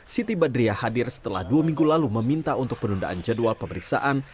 siti badriah hadir setelah dua minggu lalu meminta untuk penundaan jadwal pemeriksaan